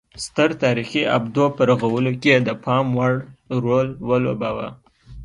ستر تاریخي ابدو په رغولو کې یې د پام وړ رول ولوباوه